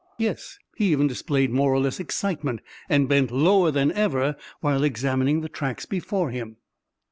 Yes, he even displayed more or less excitement, and bent lower than ever while examining the tracks before him.